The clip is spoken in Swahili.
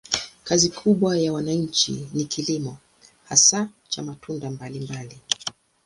Kazi kubwa ya wananchi ni kilimo, hasa cha matunda mbalimbali.